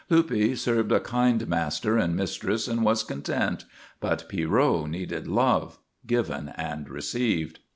Luppe served a kind master and mistress and was content, but Pierrot needed love given and received.